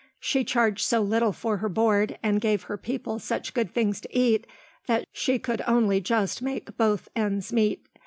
She charged so little for her board and gave her people such good things to eat, that she could only just make both ends meet.